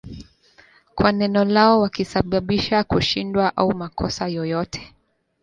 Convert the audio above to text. kwa neno lao wakisababisha kushindwa au makosa yoyote